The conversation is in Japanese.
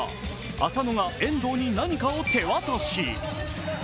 浅野が遠藤に何かを手渡し。